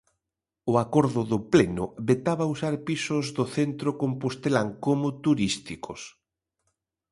O acordo do Pleno vetaba usar pisos do centro compostelán como turísticos.